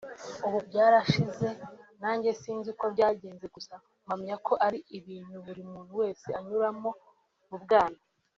“Ubu byarashize nanjye sinzi uko byagenze gusa mpamya ko ari ibintu buri muntu wese anyuramo mu bwana”